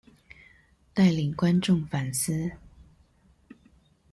帶領觀眾反思